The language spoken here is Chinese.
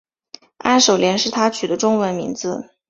安守廉是他取的中文名字。